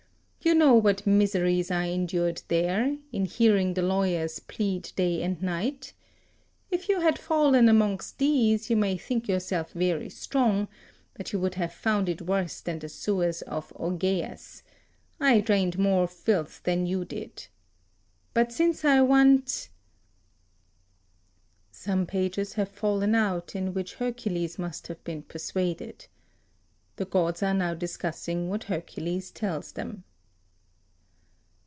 You know what miseries I endured there, in hearing the lawyers plead day and night. If you had fallen amongst these, you may think yourself very strong, but you would have found it worse than the sewers of Augeas: I drained out more filth than you did. But since I want..." (Some pages have fallen out, in which Hercules must have been persuaded. The gods are now discussing what Hercules tells them).